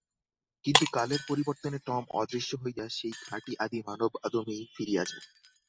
কিন্তু কালের পরিবর্তনে টম অদৃশ্য হইয়া সেই খাঁটি আদি মানব আদমেই ফিরিয়া যায়।